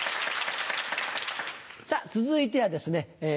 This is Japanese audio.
続いてはですね